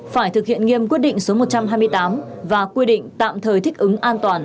phải thực hiện nghiêm quyết định số một trăm hai mươi tám và quy định tạm thời thích ứng an toàn